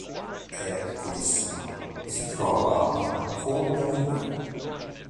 Era piccolissima e si trovava fuori dalle mura.